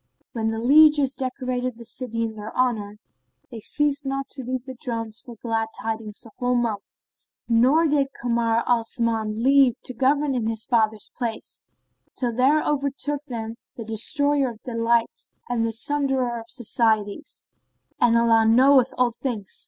Then the lieges decorated the city in their honour and they ceased not to beat the drums for glad tidings a whole month; nor did Kamar al Zaman leave to govern in his father's place, till there overtook them the Destroyer of delights and the Sunderer of societies; and Allah knoweth all things!